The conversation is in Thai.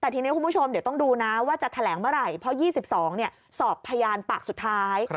ที่จะสอบพยานปากสุดท้าย